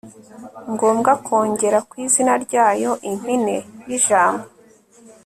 ngombwa kongera ku izina ryayo impine y ijambo